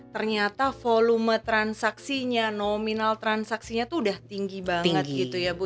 ternyata volume transaksinya nominal transaksinya tuh udah tinggi banget gitu ya bu